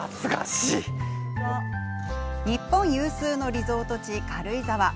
日本有数のリゾート地軽井沢。